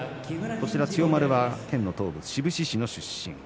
千代丸は県の東部、志布志市の出身。